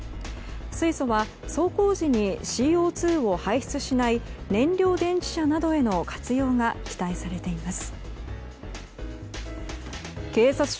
水素は走行時にＣＯ２を排出しない燃料電池車などへの活用が期待されています。